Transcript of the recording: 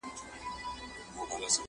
چي تا خر بولي پخپله بې عقلان دي،